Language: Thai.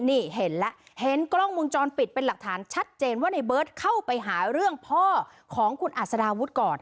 นี่เห็นแล้วเห็นกล้องมุมจรปิดเป็นหลักฐานชัดเจนว่าในเบิร์ตเข้าไปหาเรื่องพ่อของคุณอัศดาวุฒิก่อน